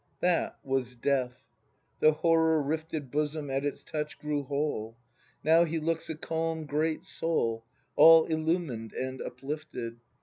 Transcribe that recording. That was death. The horror rifted Bosom at its touch grew whole. Now he looks a calm great soul. All illumined and uplifted.